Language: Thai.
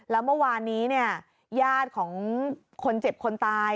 แล้วเมื่อวานนี้เนี่ยญาติของคนเจ็บคนตาย